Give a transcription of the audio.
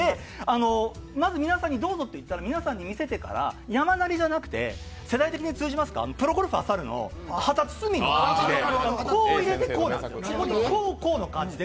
まず皆さんに、どうぞと言ったら皆さんに見せてから山なりじゃなくて、世代的に通じますか、プロゴルファー猿の旗包みの感じで、こう入れて、こうなんです。